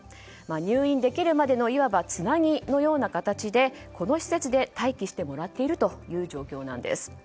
入院できるまでの、いわばつなぎのような形でこの施設で待機してもらっている状況なんです。